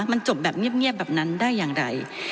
มันจบแบบเงียบแบบนั้นได้อย่างไร